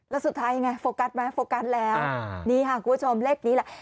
แล้วสุดท้ายยังไงโฟกัสไหมโฟกัสแล้วนี่ค่ะคุณผู้ชมเลขนี้แหละ